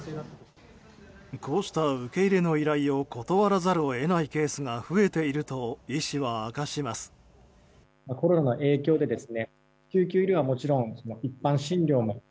こうした受け入れの依頼を断らざるを得ないケースが増えていると医師は明かします。